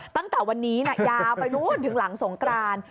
ตั้งแต่วันนี้ยาวไปนู้นถึงหลังสงกราน